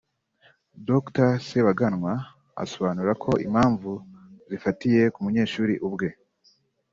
Dr Sebaganwa asobanura ko impamvu zifatiye ku munyeshuri ubwe